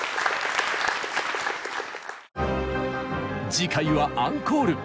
次回はアンコール。